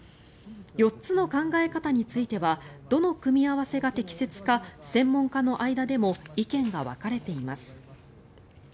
４つの考え方についてはどの組み合わせが適切か専門家の間でも意見が分かれています。